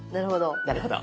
なるほど。